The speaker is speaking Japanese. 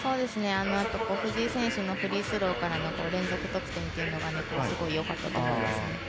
藤井選手のフリースローから連続得点というのがすごいよかったと思うんですね。